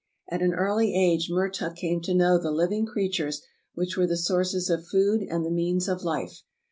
At an early age Mertuk came to know the living creatures which w^ere the sources of food and the means of life.